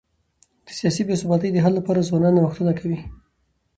د سیاسي بي ثباتی د حل لپاره ځوانان نوښتونه کوي.